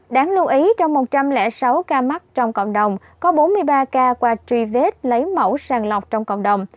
đáng lưu ý trong một trăm linh sáu ca mắc trong cộng đồng có bốn mươi ba ca qua truy vết lấy mẫu sàng lọc trong cộng đồng